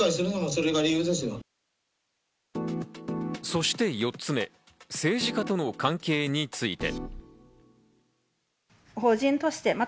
そして４つ目、政治家との関係について。